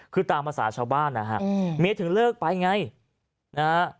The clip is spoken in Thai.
คือตามภาษาชาวบ้านนะฮะเมียถึงเลิกไปไงนะฮะ